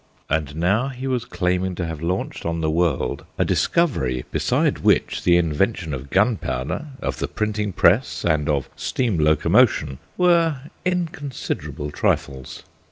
And now he was claiming to have launched on the world a discovery beside which the invention of gunpowder, of the printing press, and of steam locomotion were inconsiderable trifles.